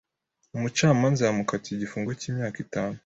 Umucamanza yamukatiye igifungo cy’imyaka itanu.